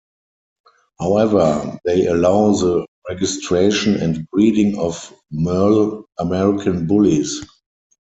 However, they allow the registration and breeding of merle American Bullies.